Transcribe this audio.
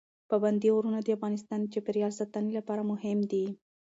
پابندی غرونه د افغانستان د چاپیریال ساتنې لپاره مهم دي.